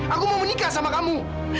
aku mau menikah sama kamu